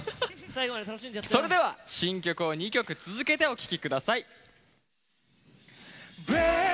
それでは新曲を２曲続けてお聴きください。